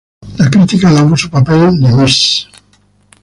La crítica alabó su papel de Mrs.